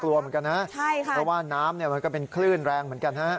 กลัวเหมือนกันนะครับเพราะว่าน้ำมันก็เป็นคลื่นแรงเหมือนกันนะครับ